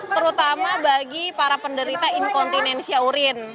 terutama bagi para penderita inkontinensia urin